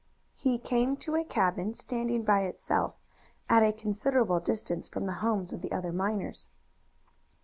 He came to a cabin standing by itself, at a considerable distance from the homes of the other miners.